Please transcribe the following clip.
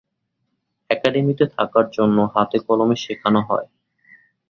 একাডেমিতে থাকার জন্য হাতে কলমে শেখানো হয়।